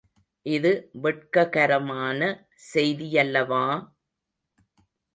இது வெட்ககரமான செய்தியல்லவா!